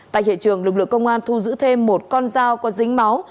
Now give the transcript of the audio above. tại hiện trường lực lượng công an thu giữ thêm một con dao có dính máu